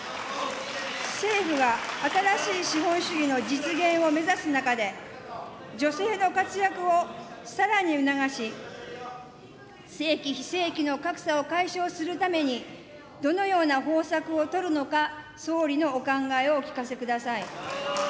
政府は新しい資本主義の実現を目指す中で、女性の活躍をさらに促し、正規・非正規の格差を解消するために、どのような方策を取るのか、総理のお考えをお聞かせください。